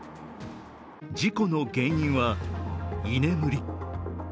事故の原因は、居眠り。